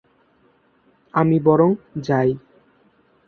আমি বরং যাই।